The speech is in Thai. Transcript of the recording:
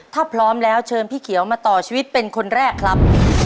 ถ้าพร้อมแล้วเชิญพี่เขียวมาต่อชีวิตเป็นคนแรกครับ